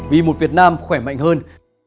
vì một việt nam khỏe mạnh hơn